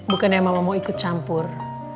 bukannya mama mau ikut campur